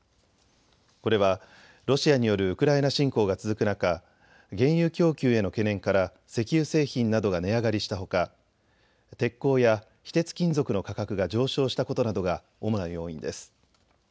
これはロシアによるウクライナ侵攻が続く中、原油供給への懸念から石油製品などが値上がりしたほか鉄鋼や非鉄金属の価格が上昇したことなどが主な要因です。